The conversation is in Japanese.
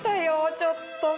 ちょっと。